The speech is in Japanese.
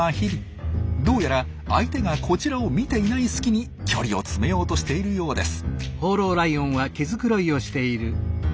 どうやら相手がこちらを見ていない隙に距離を詰めようとしているようです。